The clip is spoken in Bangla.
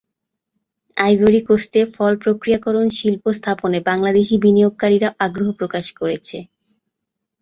আইভরি কোস্টে ফল প্রক্রিয়াকরণ শিল্প স্থাপনে বাংলাদেশি বিনিয়োগকারীরা আগ্রহ প্রকাশ করেছে।